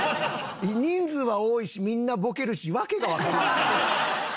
人数は多いしみんなボケるしわけがわかりません。